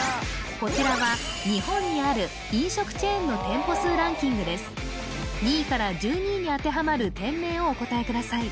こちらは日本にある２位から１２位に当てはまる店名をお答えください